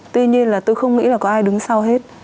tuy nhiên là tôi không nghĩ là có ai đứng sau hết